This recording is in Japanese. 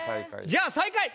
じゃあ最下位！